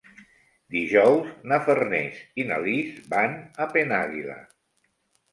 Dijous na Farners i na Lis van a Penàguila.